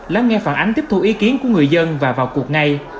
lắng nghe phản ánh tiếp thu ý kiến của người dân và vào cuộc ngay